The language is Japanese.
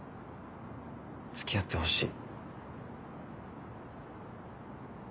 つきあってほしい。